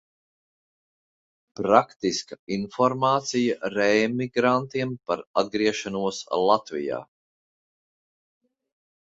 Praktiska informācija reemigrantiem par atgriešanos Latvijā.